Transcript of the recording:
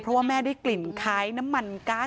เพราะว่าแม่ได้กลิ่นคล้ายน้ำมันการ์ด